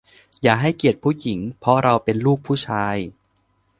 อย่าให้เกียรติผู้หญิงเพราะเราเป็นลูกผู้ชาย